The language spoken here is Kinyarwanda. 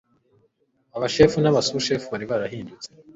abashefu n'abasushefu bari barahindutse